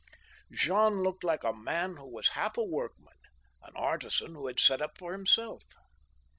Jean looked like a man who was half a workman, an artisan who has set up for himself.